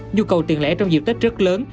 nhu cầu tiền lẻ trong dịp tết rất lớn